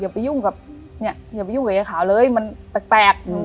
อย่าไปยุ่งกับเนี้ยอย่าไปยุ่งกับเย้ขาวเลยมันแปลกแปลกอืม